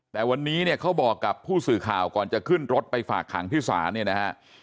แต่วันนี้เนี่ยเขาบอกกับผู้สื่อข่าวก่อนจะขึ้นรถไปฝากขังที่ศาลเนี่ยนะฮะ